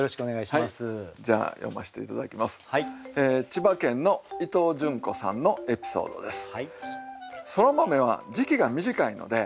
千葉県の伊藤順子さんのエピソードです。